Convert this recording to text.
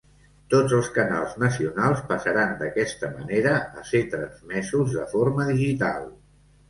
Tots els canals nacionals passaran d'aquesta manera a ser transmesos de forma digital.